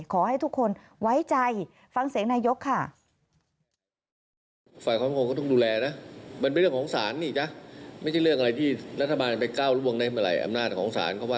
ขอให้ทุกคนไว้ใจฟังเสียงนายกค่ะ